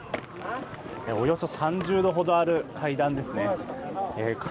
およそ３０度ほどある階段ですね